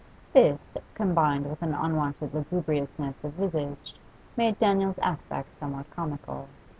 This, combined with an unwonted lugubriousness of visage, made Daniel's aspect somewhat comical.